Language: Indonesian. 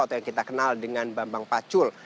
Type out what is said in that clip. atau yang kita kenal dengan bambang pacul